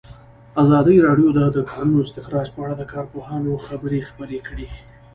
ازادي راډیو د د کانونو استخراج په اړه د کارپوهانو خبرې خپرې کړي.